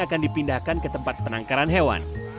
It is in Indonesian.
akan dipindahkan ke tempat penangkaran hewan